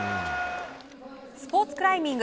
スポーツクライミング。